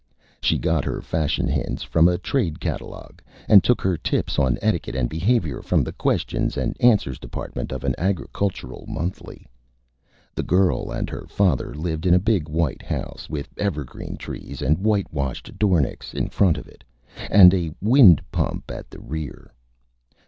She got her Fashion Hints from a Trade Catalogue, and took her Tips on Etiquette and Behavior from the Questions and Answers Department of an Agricultural Monthly. The Girl and her Father lived in a big White House, with Evergreen Trees and whitewashed Dornicks in front of it, and a Wind Pump at the rear.